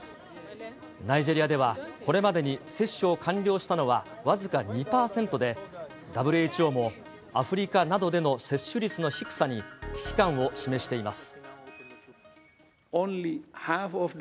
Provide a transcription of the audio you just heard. ナイジェリアでは、これまでに接種を完了したのは僅か２％で、ＷＨＯもアフリカなどでの接種率の低さに危機感を示しています。